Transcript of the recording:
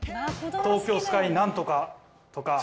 「東京スカイなんとか」とか。